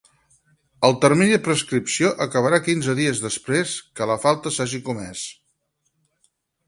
El termini de prescripció acabarà quinze dies després que la falta s'hagi comès.